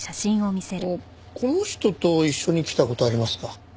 この人と一緒に来た事ありますか？